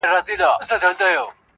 مړاوي مړاوي سور ګلاب وي زما په لاس کي,